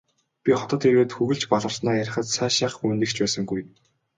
Би хотод ирээд хөглөж баларснаа ярихад сайшаах хүн нэг ч байсангүй.